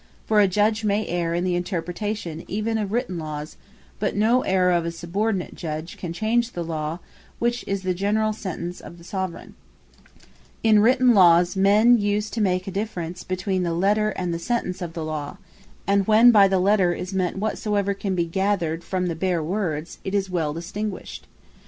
For a Judge may erre in the Interpretation even of written Lawes; but no errour of a subordinate Judge, can change the Law, which is the generall Sentence of the Soveraigne. The Difference Between The Letter And Sentence Of The Law In written Lawes, men use to make a difference between the Letter, and the Sentence of the Law: And when by the Letter, is meant whatsoever can be gathered from the bare words, 'tis well distinguished.